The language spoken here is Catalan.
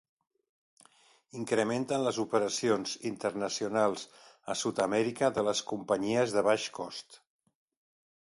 Incrementen les operacions internacionals a Sud-amèrica de les companyies de baix cost.